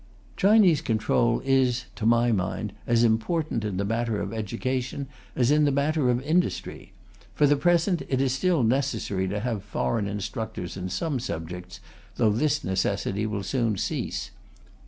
Chinese control is, to my mind, as important in the matter of education as in the matter of industry. For the present, it is still necessary to have foreign instructors in some subjects, though this necessity will soon cease.